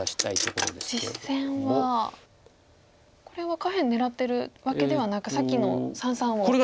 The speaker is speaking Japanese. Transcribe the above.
これは下辺狙ってるわけではなくさっきの三々を。